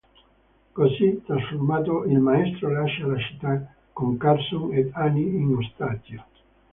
Così trasformato, il "Maestro" lascia la città, con Carson ed Annie in ostaggio.